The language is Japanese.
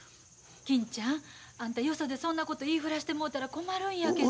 金ちゃんあんたよそでそんなこと言い触らしてもうたら困るんやけど。